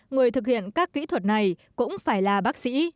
người thực hiện các kỹ thuật này cũng phải là bác sĩ